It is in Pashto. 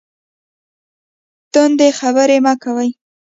تندې خبرې مه کوئ